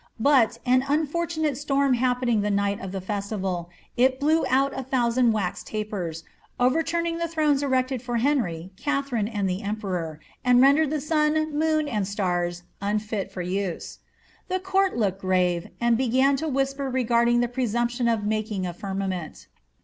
But, an unfortunate storm happening the night of the festival, it blew out a thousand wax tapers, overturned the thrones erected for Henry, Katharine, and the emperor, and rendered the sun, moon, and stars, unfit for use. The court looked grave, and began to whisper regarding the presumption of making a firmament.